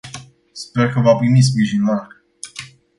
Sper că va primi sprijin larg.